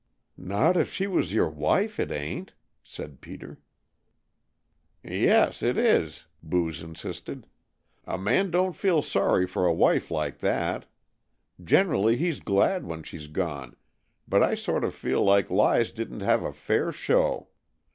"Not if she was your wife, it ain't," said Peter. "Yes, it is," Booge insisted. "A man don't feel sorry for a wife like that. Generally he's glad when she's gone, but I sort of feel like Lize didn't have a fair show..